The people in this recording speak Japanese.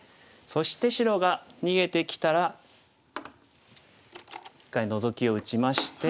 そして白が逃げてきたら一回ノゾキを打ちまして。